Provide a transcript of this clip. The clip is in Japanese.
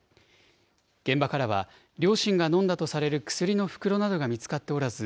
現場からは両親が飲んだとされる薬の袋などが見つかっておらず、